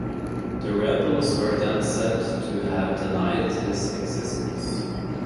The rebels were then said to have denied his existence.